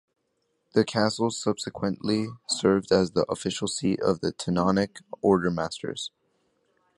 The castle subsequently served as the official seat of the Teutonic Order Masters.